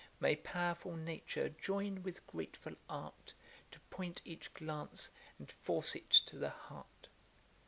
May powerful nature join with grateful art, To point each glance, and force it to the heart!